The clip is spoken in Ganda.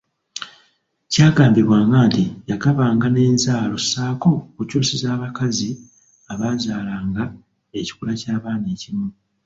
Kyagambibwanga nti yagabanga n'enzaalo ssaako okukyusiza abakazi abaazaalanga ekikula ky'abaana ekimu.